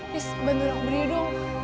risa bantu dong beri dong